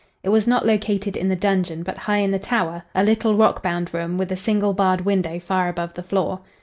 It was not located in the dungeon, but high in the tower, a little rock bound room, with a single barred window far above the floor.